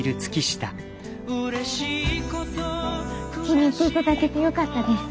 気に入っていただけてよかったです。